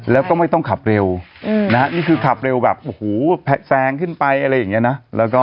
แล้วก็ไม่ต้องขับเร็วนะฮะนี่คือขับเร็วแบบโอ้โหแซงขึ้นไปอะไรอย่างนี้นะ